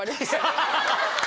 ハハハハ！